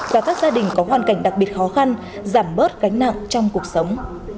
và các gia đình có hoàn cảnh đặc biệt khó khăn giảm bớt gánh nặng trong cuộc sống